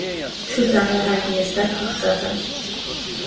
Շուտ զանգահարիր, ես դեռ քաղցած եմ: